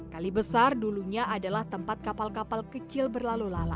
kali besar dulunya adalah tempat kapal kapal kecil berlalu lala